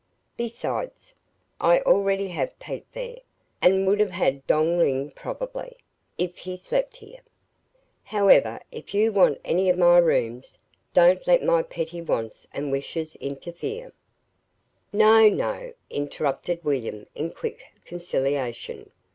Besides, I already have Pete there, and would have Dong Ling probably, if he slept here. However, if you want any of my rooms, don't let my petty wants and wishes interfere " "No, no," interrupted William, in quick conciliation.